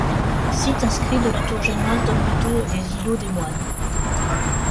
Site inscrit de la tour génoise d'Olmeto et des îlots des Moines.